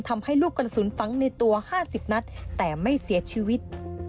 ทำให้ลูกกระสุนฝังในตัว๕๐นัดแต่ไม่เสียชีวิต